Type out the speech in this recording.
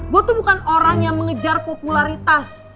gue tuh bukan orang yang mengejar popularitas